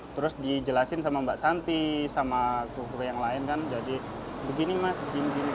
terus dijelasin sama mbak santi sama kru kru yang lain kan jadi begini mas begini begini